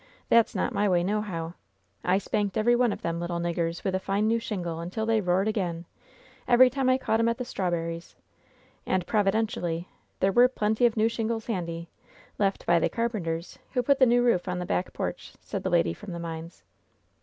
That's not my way, nohow. I spanked every one of them little niggers with a fine new shingle until they roared again, every time I caught 'em at the strawberries ; and, provi dentially, there were plenty of new shingles handy — ^lef t by the carpenters who put the new roof on the back porch," said the lady from the mines.